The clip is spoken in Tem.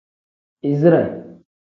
Izire.